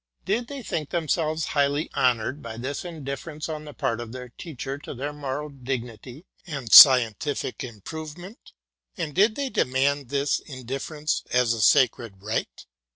Did they think themselves highly honoured by this indif ference on the part of their teacher to their moral dignity and scientific improvement 1 and did they demand this in difference as a sacred right?